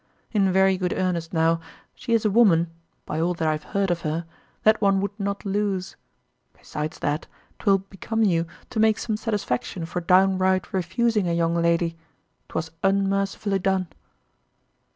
In very good earnest now, she is a woman (by all that I have heard of her) that one would not lose; besides that, 'twill become you to make some satisfaction for downright refusing a young lady 'twas unmercifully done.